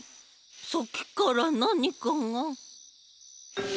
さっきからなにかが。